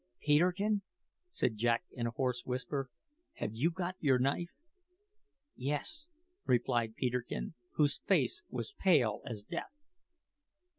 "Peterkin," said Jack in a hoarse whisper, "have you got your knife?" "Yes," replied Peterkin, whose face was pale as death.